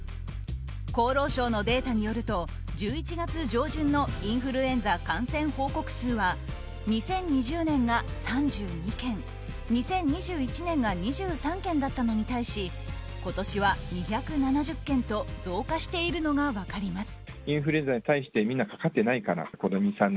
厚労省のデータによると１１月上旬のインフルエンザ感染報告数は２０２０年が３２件２０２１年が２３件だったのに対し今年は２７０件と増加しているのが分かります。